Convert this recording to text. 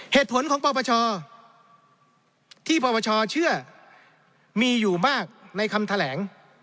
เหตุผลของปปชที่ปปชเชื่อมีอยู่มากในคำแถลง